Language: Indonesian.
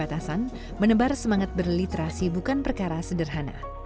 dan perbatasan menebar semangat berliterasi bukan perkara sederhana